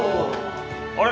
あれ？